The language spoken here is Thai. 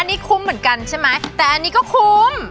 อันนี้คุ้มเหมือนกันใช่ไหมแต่อันนี้ก็คุ้ม